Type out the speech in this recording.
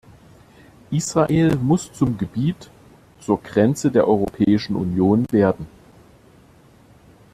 Israel muss zum Gebiet, zur Grenze der Europäischen Union werden.